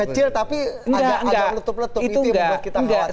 kecil tapi ada yang letup letup